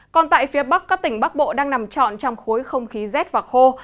còn tại phía bắc các tỉnh bắc bộ đang nằm trọn trong khối không khí rét và khô